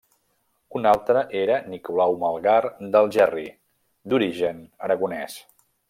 Un altre era Nicolau Melgar d’Algerri d’origen aragonès.